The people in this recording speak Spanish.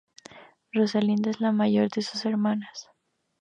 Rosalinda es la mayor de sus hermanas.